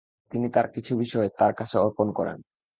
তিনি তাঁর কিছু বিষয় তাঁর কাছে অর্পণ করেন।